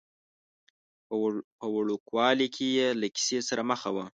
په وړوکوالي کې یې له کیسې سره مخه وه.